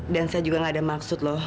dan saya juga nggak ada maksud loh